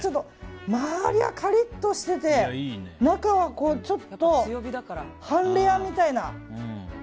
周りはカリッとしてて中はちょっと半レアみたいな。